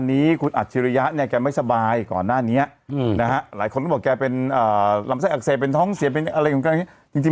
มันจะไปมองในมุมที่ไม่ดี